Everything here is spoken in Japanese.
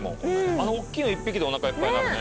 あの大きいの１匹でおなかいっぱいになるね。